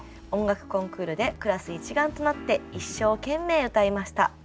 音楽コンクールでクラス一丸となって一生懸命歌いました。